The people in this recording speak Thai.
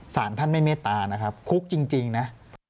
สารท่านไม่เมตตานะครับคุกจริงนะ